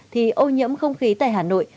thì ô nhiễm không khí tại hà nội